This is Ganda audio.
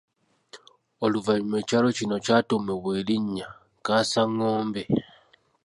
Oluvannyuma ekyalo kino kyatuumibwa erinnya Kaasangombe.